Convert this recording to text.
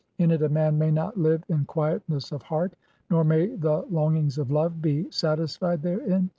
In it "a man may not live in quietness of heart ; nor may the long ings of love be satisfied (12) therein.